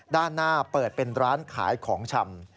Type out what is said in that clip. ด้านหน้าเปิดเป็นร้านขายของชำ